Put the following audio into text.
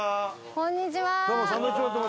こんにちは。